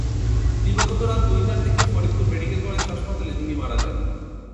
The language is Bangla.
দিবাগত রাত দুইটার দিকে ফরিদপুর মেডিকেল কলেজ হাসপাতালে তিনি মারা যান।